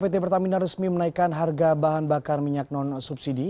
pt pertamina resmi menaikkan harga bahan bakar minyak non subsidi